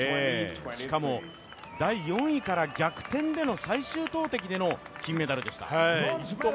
しかも第４位から逆転での最終投てきでの金メダルでした。